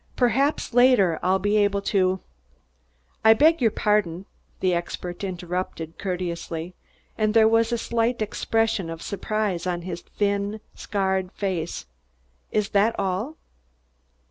Perhaps later I'll be able to " "I beg your pardon," the expert interrupted courteously, and there was a slight expression of surprise on his thin scarred face. "Is that all?"